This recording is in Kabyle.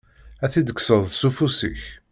Ad t-id-kkseḍ s ufus-ik.